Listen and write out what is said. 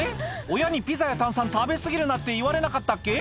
親にピザや炭酸食べ過ぎるなって言われなかったっけ？